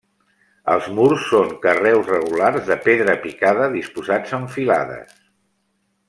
Els murs són carreus regulars de pedra picada disposats en filades.